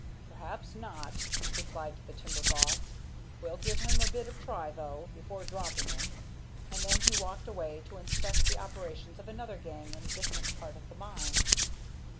"Perhaps not," replied the timber boss. "We'll give him a bit of a try, though, before dropping him," and then he walked away to inspect the operations of another gang in a distant part of the mine.